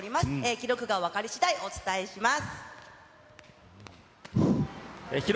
記録が分かりしだい、お伝えします。